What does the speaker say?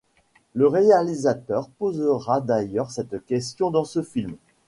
Le réalisateur posera d'ailleurs cette question dans ce film.